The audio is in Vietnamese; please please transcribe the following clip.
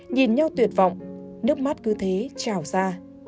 nhìn nhau tuyệt vọng nước mắt cứ thế trào ra